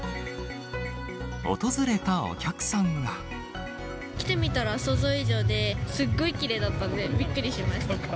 訪れたお客さんは。来てみたら想像以上で、すっごいきれいだったんで、びっくりしました。